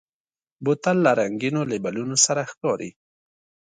بوتل له رنګینو لیبلونو سره ښکاري.